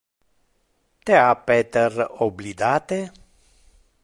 Te ha Peter oblidate?